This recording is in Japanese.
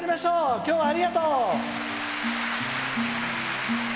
今日はありがとう！